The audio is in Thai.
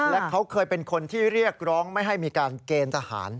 และเขาเคยเป็นคนที่เรียกร้องไม่ให้มีการเกณฑ์ทหาร